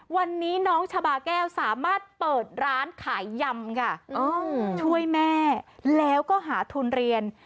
วันนี้น้องชาบาแก้วสามารถเปิดร้านขายยำค่ะช่วยแม่แล้วก็หาทุนเรียน